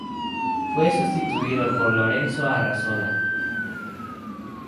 Fue sustituido por Lorenzo Arrazola.